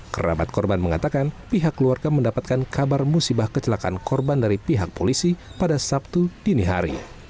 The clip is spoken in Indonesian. kerabat korban mengatakan pihak keluarga mendapatkan kabar musibah kecelakaan korban dari pihak polisi pada sabtu dini hari